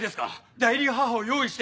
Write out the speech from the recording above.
代理母を用意して。